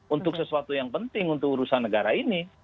untuk sesuatu yang penting untuk urusan negara ini